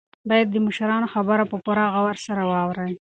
باید د مشرانو خبره په پوره غور سره واورئ.